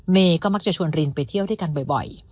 เมย์ก็มักจะชวนรินไปเที่ยวด้วยกันบ่อย